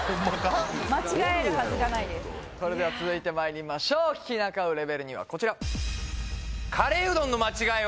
それでは続いてまいりましょう利きなか卯レベル２はこちら間違い？